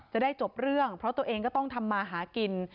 จะได้จบเรื่องเพราะตัวเองก็ต้องทำมาหากิน